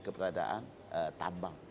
dan keberadaan tambang